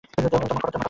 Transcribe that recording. জমা, খরচ।